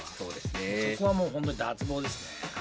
そこはもう本当に脱帽ですね。